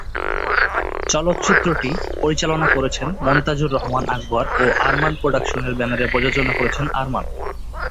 চলচ্চিত্রটি পরিচালনা করেছেন মনতাজুর রহমান আকবর ও আরমান প্রোডাকশনের ব্যানারে প্রযোজনা করেছেন আরমান।